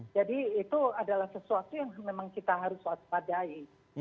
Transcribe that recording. jadi itu adalah sesuatu yang memang kita harus waspadai